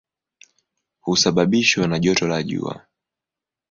Husababishwa na joto la jua.